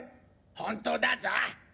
本当だぞ！